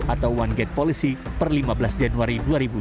atau one gate policy per lima belas januari dua ribu dua puluh